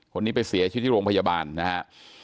คนนี้ไปเสียชีวิตที่โรงพยาบาลนะฮะ